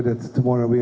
kita ingin memastikan